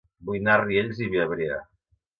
Vull anar a Riells i Viabrea